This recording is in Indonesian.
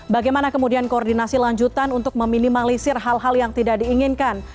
bagaimana kemudian koordinasi lanjutan untuk meminimalisir hal hal yang tidak diinginkan